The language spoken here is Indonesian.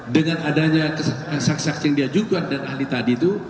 dengan adanya saksi saksi yang diajukan dan ahli tadi itu